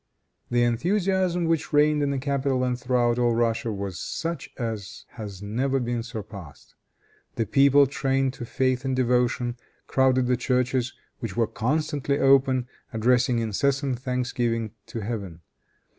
The enthusiasm which reigned in the capital and throughout all Russia was such as has never been surpassed. The people, trained to faith and devotion, crowded the churches, which were constantly open, addressing incessant thanksgivings to Heaven.